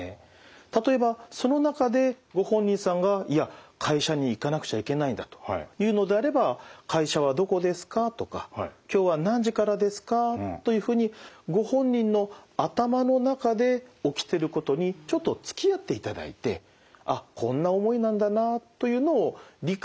例えばその中でご本人さんが「いや会社に行かなくちゃいけないんだ」と言うのであれば「会社はどこですか？」とか「今日は何時からですか？」というふうにご本人の頭の中で起きてることにちょっとつきあっていただいてあっこんな思いなんだなというのを理解いただく